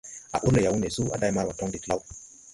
A ur le Yawunde suu a day Marwa tɔŋ de law.